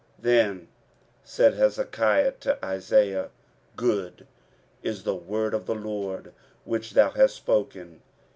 23:039:008 Then said Hezekiah to Isaiah, Good is the word of the LORD which thou hast spoken.